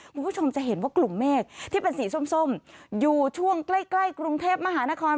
คุณผู้ชมจะเห็นว่ากลุ่มเมฆที่เป็นสีส้มอยู่ช่วงใกล้ใกล้กรุงเทพมหานคร